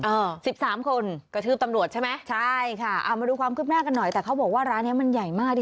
อ่าสิบสามคนกระทืบตำรวจใช่ไหมใช่ค่ะอ่ามาดูความคืบหน้ากันหน่อยแต่เขาบอกว่าร้านเนี้ยมันใหญ่มากดิ